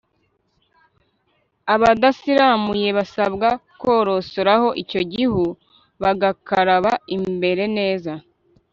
abadasiramuye basabwa korosoraho icyo gihu bagakaraba imbere neza